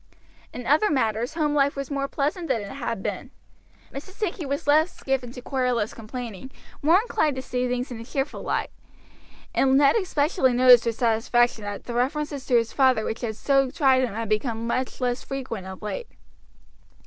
In other matters home life was more pleasant than it had been. Mrs. Sankey was less given to querulous complaining, more inclined to see things in a cheerful light, and Ned especially noticed with satisfaction that the references to his father which had so tried him had become much less frequent of late.